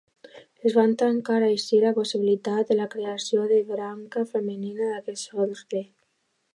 Es va tancar així la possibilitat de la creació de branca femenina d'aquest orde.